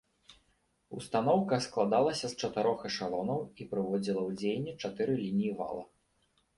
Устаноўка складалася з чатырох эшалонаў і прыводзіла ў дзеянне чатыры лініі вала.